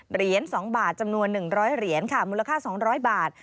เหรียญ๒บาทจำนวน๑๐๐เหรียญค่ะมูลค่า๒๐๐บาท